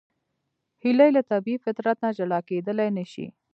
هیلۍ له طبیعي فطرت نه جلا کېدلی نشي